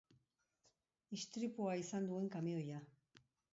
Istripua izan duen kamioia.